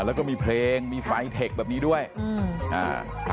แล้วก็มีเพลงมีไฟเทคแบบนี้ด้วยอืมอ่า